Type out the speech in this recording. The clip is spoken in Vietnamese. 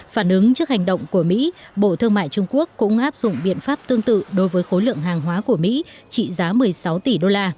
phản ứng trước hành động của mỹ bộ thương mại trung quốc cũng áp dụng biện pháp tương tự đối với khối lượng hàng hóa của mỹ trị giá một mươi sáu tỷ đô la